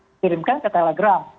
dikirimkan ke telegram